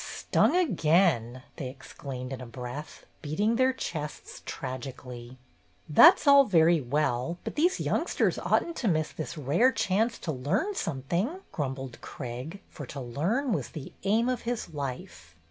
"Stung again !" they exclaimed in a breath, beating their chests tragically. "That 's all very well, but these youngsters 16 242 BETTY BAIRD^S GOLDEN YEAR ought n't to miss this rare chance to learn something," grumbled Craig, for to learn was the aim of his life.